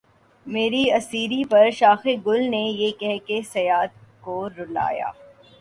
مری اسیری پہ شاخِ گل نے یہ کہہ کے صیاد کو رلایا